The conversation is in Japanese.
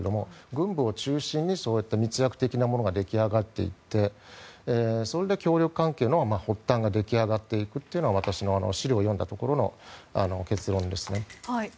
軍部を中心に密約的なものが出来上がっていってそれで協力関係の発端が出来上がっていくというのが私の資料を読んだところの結論ですね。